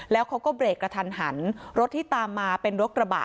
แล้วเขาก็เบรกกระทันหันรถที่ตามมาเป็นรถกระบะ